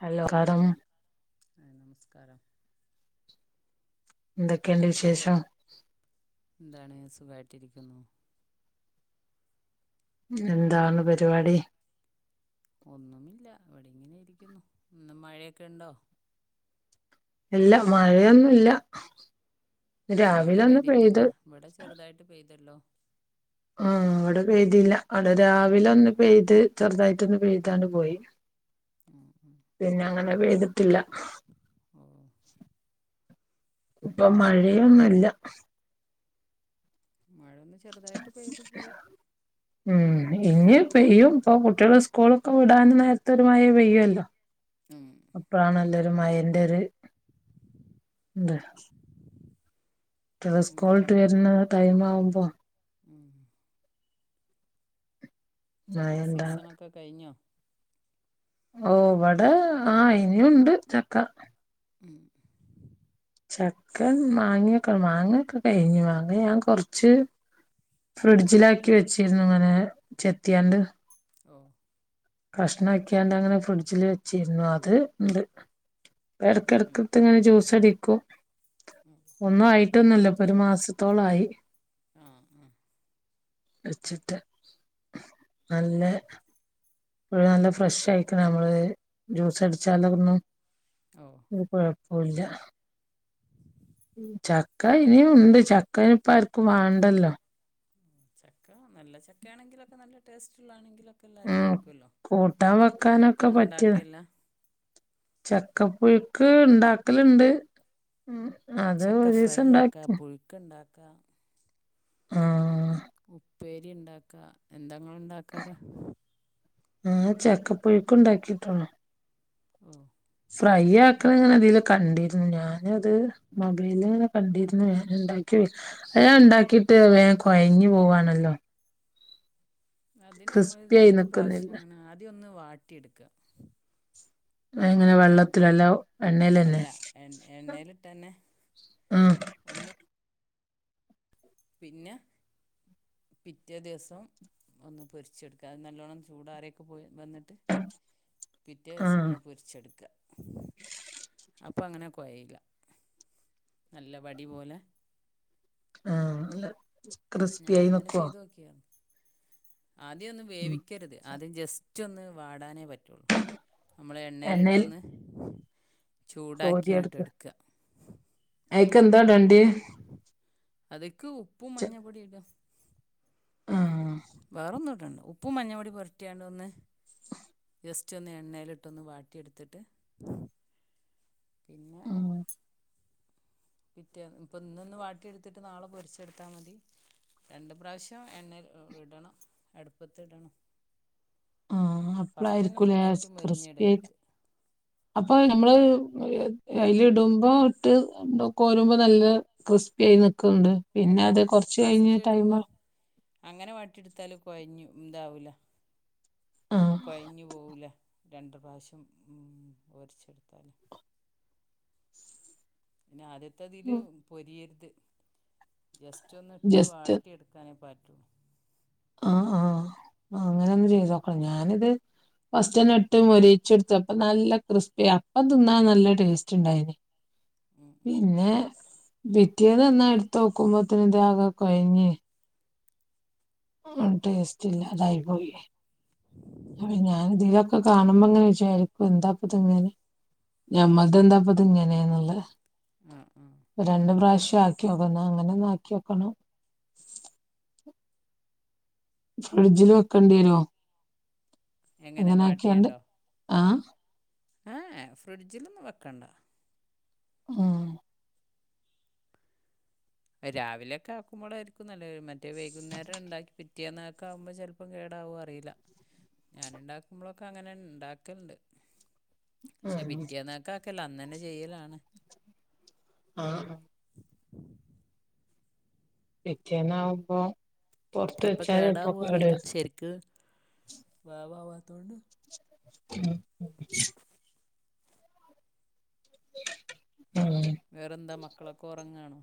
Hello ക [unintelligible] hi നമസ്കാരം എന്തൊക്കെയുണ്ട് വിശേഷം എന്താണ് സുഖമായിട്ടിരിക്കുന്നു എന്താണ് പരിപാടി ഒന്നുമില്ല ഇവിടെ ഇങ്ങനെയിരിക്കുന്നു ഇന്ന് മഴയൊക്കെ ഉണ്ടോ ഇല്ല മഴയൊന്നും ഇല്ല ആ, അവിടെ രാവിലെ ഒന്ന് പെയ്തിട്ടില്ല പെയ്ത് ഇവിടെ ചെറുതായിട്ട് പെയ്തല്ലോ ആഹ് ഇവിടെ പെയ്തില്ല അവിടെ രാവിലെ ഒന്ന് പെയ്ത് ചെറുതായിട്ടൊന്ന് പെയ്താണ് പോയി ഉം ഉം പിന്നെ അങ്ങനെ പെയ്തിട്ടില്ല ഓ ഇപ്പം മഴയൊന്നുമില്ല മഴ ഒന്ന് ചെറുതായിട്ട് പെയ്തു പോയി ഉം ഇനി പെയ്യും ഇപ്പൊ കുട്ടികള് സ്കൂളൊക്കെ വിടാനും നേരത്തൊരു മഴ പെയ്യുമല്ലോ [inaudible] ഉം ഇപ്പൊ ആണല്ലോ ഒരു മയെന്റെ ഒരു ഇത് കുട്ടികള് സ്കൂൾ വിട്ട് എന്താണ് വരുന്ന ടൈം ആവുമ്പോ ഉം മഴ ചക്ക ഉണ്ടാവ സീസണൊക്കെ കഴിഞ്ഞോ ഓഹ് ഇവടെ ആഹ് ഇനീയുണ്ട് ചക്ക ഉം ചക്ക മാങ്ങയൊക്കെ മാങ്ങയൊക്കെ കഴിഞ്ഞു മാങ്ങ ഞാൻ കൊറച്ച് - ഫ്രിഡ്ജിലാക്കി വെച്ചിരുന്നു ഇങ്ങനെ ചെത്തിയാണ്ട് ഓഹ് കഷ്ണായാക്കിയാണ്ട് അങ്ങനെ ഫ്രിഡ്ജില് വെച്ചിരുന്നു അത് ഇണ്ട് ഉം, എടക്ക് എടക്ക് അല്ല, എടുത്ത് ഇങ്ങനെ ജൂസ് അടിക്കും. ഉം ഒന്നും ആയിട്ടൊന്നുയില്ല ഇപ്പൊ ഒര് മാസത്തോളായി ആഹ് ആഹ് വെച്ച്ട്ട് നല്ലെ ഇപ്പഴും നല്ല ഫ്രഷ് ആയിക്ക്ണ നമ്മള് ജ്യൂസ് അടിച്ചാലൊന്നും [unintelligible] ഒര് കുഴപ്പൂല്ല ചക്ക ഇനിയൂണ്ട് ചക്ക അയ്നിപ്പ ആർക്കും വാണ്ടല്ലോ ചക്ക നല്ല ചക്കാണെങ്കിലൊക്കെ നല്ല ടേസ്റ്റ്ള്ളാണെങ്കിലൊ ക്കല്ലാരും ഉം കഴിക്കൂല്ലോ കൂട്ടാൻ വെക്കാനൊക്കെ ചക്കപ്പുഴുക്കൊന്നും ണ്ടാക്കല്ലാ ചക്ക പുഴുക്ക് ണ്ടാക്കല്ണ്ട് ഉം അത് ചക്ക ഫ്രൈ ഒരീസം ആക്ക ഇണ്ടാക്കി പുഴുക്ക്ണ്ടാക്ക ആഹ് ഉപ്പേരി ണ്ടാക്ക എന്താ ങ്ങള് ണ്ടാക്കാറ്? ആഹ് ചക്കപ്പുഴുക്കുണ്ടാക്കിട്ടുള്ളു ഓഹ് ഫ്രൈ ആക്ക്ണ ങ്ങനെ തീന്ന് കണ്ടീര്ന്നു ഞാനത് മൊബൈല് ങ്ങനെ കണ്ടീര്ന്നു ഞാന്ണ്ടാ ക്കി അത് ഞാണ്ടാക്കീട്ട് വേം കൊഴഞ്ഞ് പോവാണല്ലോ അതിന് മ്മള് ക്രിസ്പി ആയി രണ്ട് നിക്കുന്നില്ല പ്രാവശ്യം ങ്ങനെ ആദ്യം ഒന്ന് വാട്ടിട്ക്കാ അതെങ്ങനെ വെള്ളത്തിലോ അല്ല എണ്ണേലെന്നെ അല്ല എ- എണ്ണയിലിട്ട് തന്നെ ആഹ് ഒന്ന് പിന്നെ പിറ്റേ ദിവസം ഒന്ന് പൊരിച്ചെട്ക്ക അത് നല്ലോണ്ണം ചൂടാറ്യോക്കെ പോയി വന്ന്ട്ട് പിറ്റേസം ആഹ് ഒന്ന് പൊരിച്ചെട്ക്ക അപ്പ അങ്ങനെ കൊയീല്ല നല്ല വടി പോലെ ആഹ് നല്ല കൃസ്പ്പ്യായി നിക്കോ ഓക്കെയാന്ന് ആദ്യോന്ന് ഉം വേവിക്കര്ത് ആദ്യം ജസ്റ്റ് ഒന്ന് വാടാനേ പറ്റൊള്ളു അമ്മള് എണ്ണേല്ട്ടൊന്ന് കോരി എട്ത്ത് അയ്ക്കെന്താ ഇടണ്ട്യേ അത്ക്ക് ഉപ്പും മഞ്ഞപ്പൊടീ ടാ ആഹ് വേറെന്നുടണ്ട ഉ പ്പും മഞ്ഞപൊടി പൊര്ട്ട്യാണ്ടൊന്ന് ജസ്റ്റ് ഒന്ന് എണ്ണേല്ട്ടൊന്ന് വാട്ടി ഇട്ത്തിട്ട് പിന്നെ ആഹ് പിറ്റേന്ന് ഇപ്പൊ ന്നൊന്ന് വാട്ടിയെടുത്തിട്ട് നാളെ പൊരിച്ചെട്ത്താ മതി രണ്ട് പ്രാവശ്യം എണ്ണേല് ഇടണം അട്പ്പത്ത് ടണം ആഹ് ഫസ്റ്റെന്നെ അപ്പളായിരിക്കൂലേ ഫുള്ളായ്ട്ട് ക്രിസ്പി ആയി മൊരിഞ്ഞിടേര്ത് അപ്പൊ നമ്മള് അയ്ല് ഇടുമ്പൊ ഇട്ട് കോരുമ്പോ നല്ലെ ക്രിസ്പ്യായി നിക്ക്ണ്ട് പിന്നെ അല്ല അത് കൊർച്ച് കഴിഞ്ഞ്‌ ഫസ്റ്റ് ടൈമ് ഇടുമ്പോൾ അങ്ങനെ വാട്ടിട്ത്താല് കൊഴഞ്ഞു ഇതാവൂല ആഹ് കൊഴഞ്ഞു പോവൂല രണ്ട് പ്രാവശ്യം പൊരിച്ച്ട്ത്താല് പിന്നെ ആദ്യത്തെതില് പൊരിയര്ത് ജസ്റ്റ് ഒന്ന് ഇട്ട് ജസ്റ്റ് വാട്ടി ഇട്ക്കാനെ പറ്റൂ ആഹ് ആഹ് അങ്ങനൊന്ന് ചെയ്തോക്കണം ഞാനിത് ഫസ്റ്റന്നെ ഇട്ട് മൊരീച്ച്ട്ത്ത് അപ്പ നല്ല ക്രിസ്പ്പ്യ അപ്പം തിന്നാ നല്ല ടേസ്റ്റ് ഇണ്ടായ്നി ഉം ഉം പിന്നെ പിറ്റേന്ന് തിന്ന എടുത്ത് നോക്കുമ്പോ ഇതാകെ കൊഴഞ് ഒര് ടേസ്റ്റ് ഇല്ലതായി പോയി അഹ് ഞാന ഇതിലൊക്കെ കാണുമ്പോ ഇങ്ങനെ വിചാരിക്കു എന്താപ്പ തിങ്ങനെ ഞമ്മൾത് എന്താപ്പതിങ്ങനെയന്നുള്ള ഉം ഉം രണ്ട് പ്രാവശ്യ ആക്കി നോക്ക് അങ്ങനെ ഒന്ന് ആക്കി നോക്കണം ഫ്രിഡ്ജിൽ വെക്കേണ്ടി വരോ എങ്ങനെ അങ്ങാനായാകിയാണ്ട് ആഹ് ആഹ് ഏ ഫ്രിഡ്ജിലൊന്നും വെക്കണ്ട ഉം രാവിലെക്കെ ആക്കുമ്പോഴായിരിക്കും നല്ല മറ്റേ വൈകുന്നേരം ഇണ്ടാക്കി പിറ്റ പിറ്റേ നേക്കാവുമ്പൊൾ ചെലപ്പം കേടാവൊ അറിയില്ല ഞാൻ ഇണ്ടാക്കുമ്പോളൊക്കെ അങ്ങനെ ഇണ്ടാക്കലണ്ട് പക്ഷെ ഉം പിറ്റിയന്നക്ക ആക്കല്ല അന്ന് തന്നെ ചെയ്യലാണ് ആഹ് പിറ്റേന്ന് ആവുമ്പോ ചെലപ്പോ കേടവൊ അറിയില്ല ശരിക്ക് വേവാവാത്തകൊണ്ട് ഉം അഹ് വേറെന്താ മക്കളൊക്കെ ഒറങ്ങണോ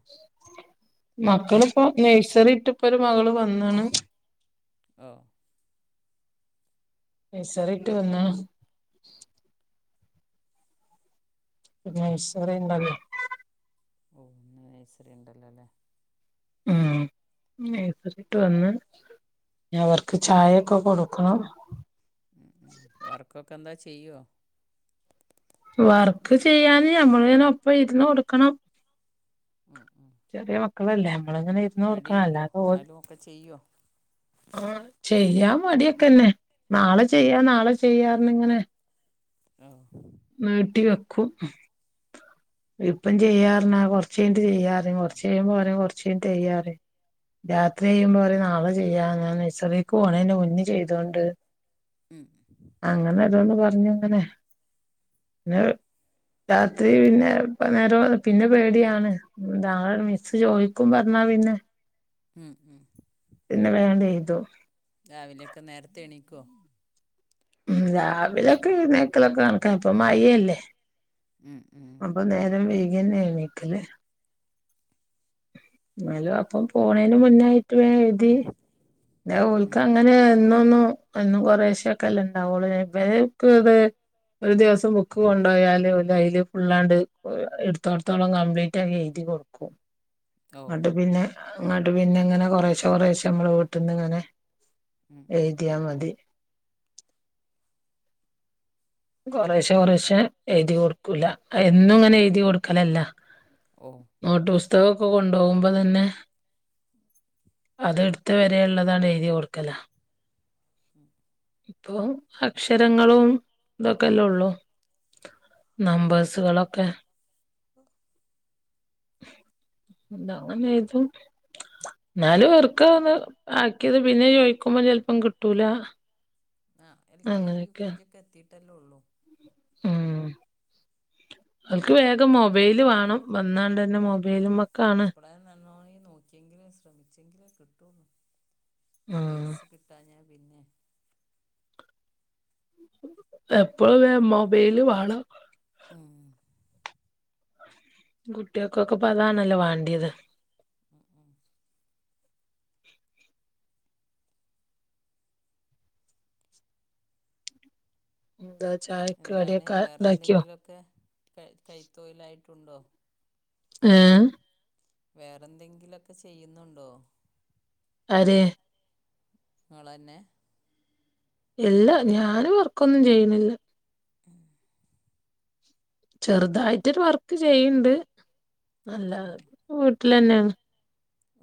മക്കളിപ്പോ നഴ്സറിട്ടിപ്പ ഒരു മകള് വന്ന്ണ് ഓ നൈസറിട്ട് വന്ന നയ്സറി ണ്ടല്ല ഓ ഇന്ന് നൈസറിണ്ടല്ലോ ല്ലേ ഉം നൈസറിട്ട് വന്ന് ഇഞ്ഞ് അവർക്ക് ചായൊക്കെ കൊടുക്കണം ഉം ഉം വർക്കൊക്കെ എന്താ ചെയ്യൊ വർക്ക് ചെയ്യാന് ഞമ്മള്ങ്ങനെ ഒപ്പം ഇരുന്ന് കൊടുക്കണം ഉം ഉം ചെറിയ മക്കളല്ലേ നമ്മളിങ്ങനെ ഇരുന്ന് കൊടുക്കണം മടിയുണ്ടോ അല്ലാതഓ- എന്നാലും ഒക്കെ ചെയ്യോ ആഹ് ചെയ്യാ മടിയൊക്കെന്നെ നാളെ ചെയ്യാം നാളെ ചെയ്യാറിന്ന ഇങ്ങനെ ആഹ് നീട്ടി വെക്കും ഇപ്പം ചെയ്യാർഞ്ഞ കൊറച്ച് കഴിഞ്ഞിട്ട് ചെയ്യാറ് കൊറച്ച് കയ്യുബൊ കൊറച്ച് കൈഞ്ഞിട്ട് ചെയ്യാറിയും രാത്രി ചെയ്യുമ്പോ പറയും നാളെ ചെയ്യാ ഞാൻ നഴ്സറിക്ക് പോകണെ മുന്നേ ചെയ്തൊണ്ട് ഉം അങ്ങനൊരൊന്ന് പറഞ്ഞു അങ്ങനെ പിന്നെ രാത്രി പിന്നെ ഇപ്പ നേര പിന്നെ പേടിയാണ് നാളെ മിസ്സ ചോയിക്കും പറഞ്ഞാ പിന്നെ ഉം ഉം പിന്നെ വേഗെയ്തു രാവിലെയൊക്കെ നേരത്തെ എണീക്കോ ഉം രാവിലൊക്കെ എഴുന്നേൽക്കലൊക്കെ കണക്ക ഇപ്പ മയേല്ലേ ഉം ഉം അപ്പൊ നേരം വൈകിയന്നെ എണിക്കല്ല് എന്നാലും അപ്പം പോണേന് മുന്നായിറ്റും എ എഴ്തി എല്ല ഉം ഓൽക്ക് അങ്ങനെ എന്നൊന്നും എന്നും കൊറേ ശൊക്കെല്ലേ ഇണ്ടാവുള്ളൂ ഇവര്ക്ക് ഇത് ഒരു ദിവസം ബുക്ക് കൊണ്ടോയാല് ഓലയ്ല് ഫുള്ളാണ്ട് ഇട്ത്തടുത്തോളം കംപ്ലീറ്റയി എയ്തി കൊടുക്കും ഓ ഇന്നിട്ട് പിന്നെ ഇങ്ങട്ട് പിന്നെ ഇങ്ങനെ കൊറേശ്ശെ കൊറേശ്ശെ അമ്മളെ വീട്ട്ന്ന് ഇങ്ങനെ ഉം ഉം എയ്തിയാ മതി കുറേശെ കുറശെ എഴുതി കൊടുക്കൂല എന്നും ഇങ്ങനെ എഴുതി കൊടുക്കലല്ല ഓ നോട്ട് പുസ്തകക്കെ കൊണ്ടോവുമ്പ തന്നെ ഉം അത് എട്ത്ത വരെ ഇള്ളതാണ് എയ്തി കൊടുക്കല ഉം ഇപ്പൊ അക്ഷരങ്ങളും ഇതൊക്കലൊള്ളു നമ്പേഴ്സ്കളൊക്കെ ഒഹ് എന്താ അങ്ങന അയ്യപ്പം എന്നാലും ഇർക്ക്ന്ന് ആക്കിയത് പിന്നെ ചോയിക്കുമ്പോ ചെലപ്പം കിട്ടൂല ആഹ് L K G, U K അങ്ങനെയൊക്കെ ജി ഒക്കെ എത്തിട്ടല്ലേ ഉള്ളൂ ഉം ഓൽക്ക് പക്ഷെ വേഗം ഇപ്പളാ തൊ മൊബൈല് വാണം വന്നാണ്ടന്നെ മൊബൈല് മക്കാണ് പ്ലാൻനന്നായി നോക്കിയെങ്കിലേ ശ്രമിച്ചെങ്കിലേ കിട്ടൊള്ളൂ ആഹ് ബെയ്സ് കിട്ടാഞ്ഞ പിന്നെ എപ്പളും ഇങ്ങനെ കിട്ട മൊബൈല് വാണം ഉം കുട്ടിയൊക്കൊക്കെ ഇപ്പ അതാണല്ലോ വാണ്ടീയത് ഉം ഉം എന്ത വെച്ച എന്താണ് വേറെ എന്തെങ്കിലൊക്കെ കൈ കൈത്തോയിലായിട്ടുണ്ടോ ഏഹ് വേറെ എന്തെങ്കിലൊക്കെ ചെയ്യ്ന്നോണ്ടോ അരെ ഇങ്ങളന്നെ ഇല്ല ഞാനും വർക്കൊന്നും ചെയ്യ്ണില്ല ഉം ചെറ്തായിട്ടൊരു വർക്ക് ചെയ്യ്ണ്ട് ആ അല്ലാതെ വീട്ടിലന്നെ ആണ്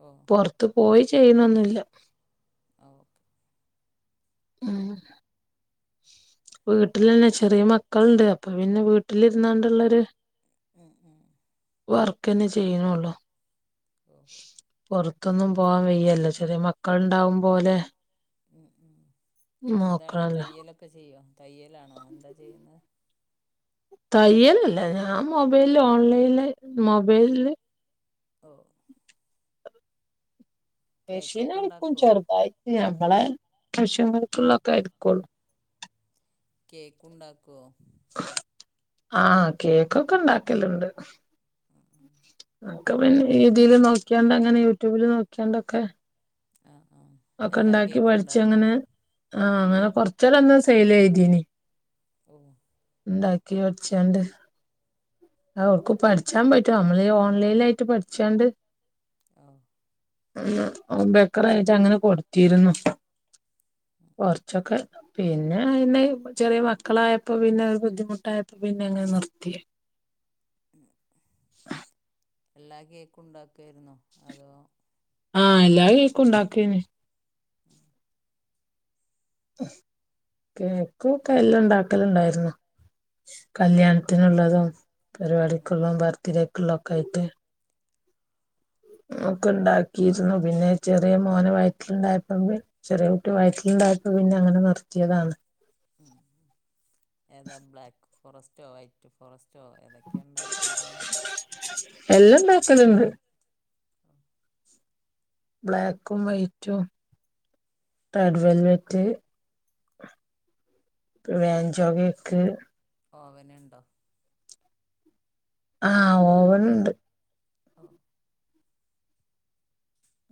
ഓഹ് പൊർത്ത് പോയി ചെയ്യുന്നൊന്നു ഇല്ല അവോ ഉം വീട്ട്ലന്നെ ചെറിയ മക്കൾണ്ട് അപ്പൊ പിന്നെ വീട്ടിലിരുന്നാണ്ട് ഇള്ളൊരു ഉം ഉം വർക്കന്നെ ചെയ്യ്ണൊള്ളൂ ഓഹ് പൊർത്തൊന്നും പോവാൻ വയ്യല്ലോ ചെറിയ മക്കളുണ്ടാവും മ്പോലെ ഉം ഉം എന്താണ് നോക്കണല്ലോ തയ്യലൊക്കെ ചെയ്യോ തയ്യലാണോ എന്താ ചെയ്യുന്ന് തയ്യലല്ല ഞാൻ മൊബൈല് ഓൺലൈല് മൊബൈല് ഓഹ് മെഷീൻ കേക്കൊക്കെ അടിക്കും ഉണ്ടാക്കുവോ ചെറുതായിട്ട് നമ്മളെ കഷ്യമ്പർക്കുള്ളൊക്കെ എട്ക്കൊള്ളൂ കേക്കുണ്ടാക്കോ ആഹ് കേക്കൊക്കെ ഇണ്ടാക്കല്ണ്ട് ഉം ഉം ഒക്കെ പിന്നെ രീതിൽ നോക്കിയാണ്ട് അങ്ങനെ യൂട്യൂബില് നോക്കിയാണ്ടൊക്കെ ആഹ് ആഹ് ഒക്കെ ഉണ്ടാക്കി പഠിച്ചങ്ങനെ ആ അങ്ങനെ കൊറച്ചരെ ഒന്ന് സെയില് ചെയ്തേനി ഓഹ് ഇണ്ടാക്കി പഠിച്ചാണ്ട് ഓക്ക് പഠിച്ചാൻ പറ്റും നമ്മള് ഓൺലൈനിൽ ആയിട്ട് പഠിച്ചാണ്ട് ആഹ് ഉം ബേക്കറായിട്ട് അങ്ങനെ കൊടുത്തിരുന്നു കുറച്ചൊക്കെ പിന്നെ അയ്ന് ചെറിയ മക്കളായപ്പോ പിന്നെ അത് ബുദ്ധിമുട്ടായപ്പോ പിന്നെ എങ്ങനെ നിർത്തിയേ എല്ലാം കേക്കും ഉണ്ടാക്കിയിരുന്നോ അതോ ആഹ് എല്ലാ കേക്കും ഉണ്ടാക്കീനു ആ കേക്കൊക്കെ എല്ലാം ഇണ്ടാക്കലിണ്ടാരുന്നു കല്യാണത്തിനുള്ളതും ഉം പരിപാടിക്കുള്ളോ ബർത്ത്ഡേക്കുള്ള ഒക്കെ ആയിട്ട് ഒക്കെ ഇണ്ടാക്കിയിരുന്നു പിന്നെ ചെറിയ മോനെ വയറ്റിലുണ്ടായപ്പോ ചെറിയ പ്പൊ വയറ്റിൽ ഇണ്ടായപ്പൊ അങ്ങനെ നിർത്തിയതാണ് ഉം ഏതാ ബ്ലാക്ക് ഫോറസ്റ്റോ വൈറ്റ് ഫോറസ്റ്റോ ഏതൊക്കെയാ ഇണ്ടാക്കിരുന്നെ എല്ലാം ഇണ്ടാക്കല്ണ്ട് [inaudible] ബ്ലാക്കും വൈറ്റും റെഡ് വെൽവെറ്റ് വേൻചോ കേക്ക് ഓവനിണ്ടോ ആഹ് ഓവൻ ഇണ്ട് ആഹ്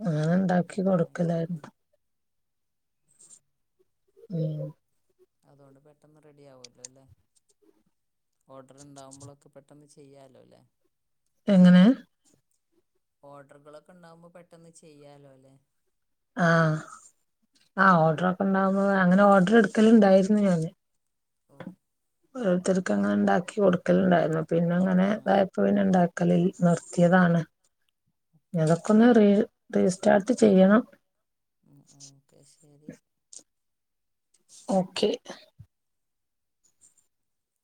അങ്ങന ഓവനിൽ ഇണ്ടാക്കി ഉണ്ടാക്കണായിരിക്കും അല്ലേ കൊടുക്കലായിരുന്നു ഉം അതുകൊണ്ട് പെട്ടെന്ന് റെഡി ആവല്ലോ അല്ലേ ഓർഡർ ഇണ്ടാവുമ്പളൊക്കെ പെട്ടെന്ന് ചെയ്യാലോല്ലേ എങ്ങനെ ഓർഡറുകളൊക്കെ ഇണ്ടാവുമ്പോ പെട്ടന്ന് ചെയ്യാലോ ല്ലേ ആ്അ ഓർഡർ ഒക്കെ ഇണ്ടാവുമ്പോ അങ്ങനെ ഓർഡർ എടുക്കല് ഇണ്ടായിരുന്നു ഞാൻ ഓഹ് ഓരോരുത്തർക്ക് അങ്ങനെ ഇണ്ടാക്കി കൊടുക്കലുണ്ടായിരുന്നു പിന്നെ അങ്ങനെ ആ ഇതായപ്പ പിന്നെ ഇണ്ടാക്ക ക്കലിൽ നിർത്തിയതാണ് ഓക്കെ ഇതൊക്കെ ഒന്ന് റി റീസ്റ്റാർട്ട് ചെയ്യണം ഉം ഉം ഓക്കെ ശരി ഓക്കെ